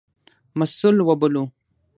مسوول وبولو.